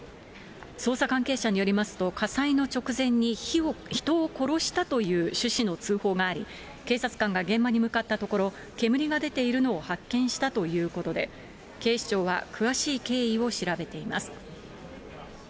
捜査関係者によりますと、火災の直前に人を殺したという趣旨の通報があり、警察官が現場に向かったところ、煙が出ているのを発見したということで、警視庁は詳しい経緯を調べています。